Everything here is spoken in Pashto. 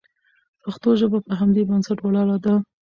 پښتو ژبه په همدې بنسټ ولاړه ده.